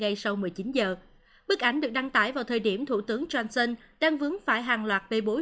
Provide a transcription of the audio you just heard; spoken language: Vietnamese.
ngay sau một mươi chín giờ bức ảnh được đăng tải vào thời điểm thủ tướng johnson đang vướng phải hàng loạt bê bối